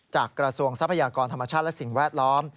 กระทรวงทรัพยากรธรรมชาติและสิ่งแวดล้อม